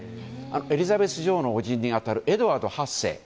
エリザベス女王の伯父に当たるエドワード８世。